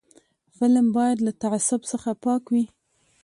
فلم باید له تعصب څخه پاک وي